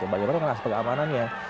bagaimana aspek keamanannya